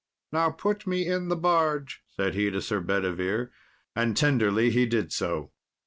"Now put me in the barge," said he to Sir Bedivere, and tenderly he did so.